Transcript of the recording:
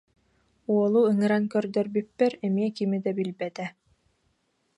Уолу ыҥыран көрдөрбүппэр эмиэ кими да билбэтэ